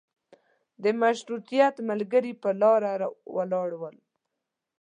د مشروطیت ملګري په لاره ولاړل.